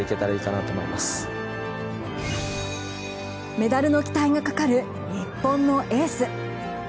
メダルの期待がかかる日本のエース。